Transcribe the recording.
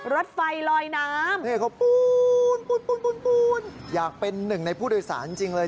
รถไฟลอยน้ำนี่เขาปูนปูนปูนปูนปูนอยากเป็นหนึ่งในผู้โดยสารจริงเลย